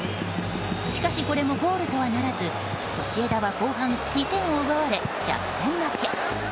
しかしこれもゴールとはならずソシエダは後半２点を奪われ逆転負け。